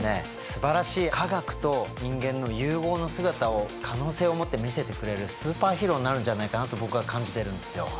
すばらしい科学と人間の融合の姿を可能性を持って見せてくれるスーパーヒーローになるんじゃないかなと僕は感じてるんですよ。